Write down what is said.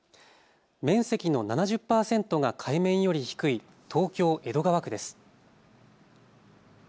面積の７０％が海面より低い東京江戸川区です。